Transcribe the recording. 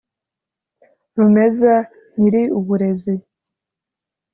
rumeza nyiri uburezi